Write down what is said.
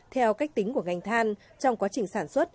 theo cách tính của ngành than trong quá trình sản xuất